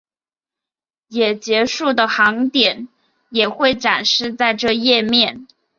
也结束的航点也会展示在这页面。